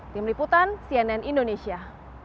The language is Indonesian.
tim liputan cnn indonesia